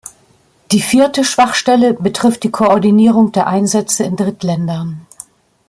Die vierte Schwachstelle betrifft die Koordinierung der Einsätze in Drittländern.